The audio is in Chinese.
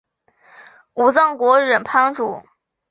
武藏国忍藩主。